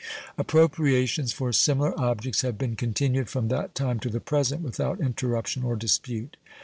Appropriations for similar objects have been continued from that time to the present without interruption or dispute.